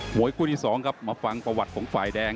วยคู่ที่สองครับมาฟังประวัติของฝ่ายแดง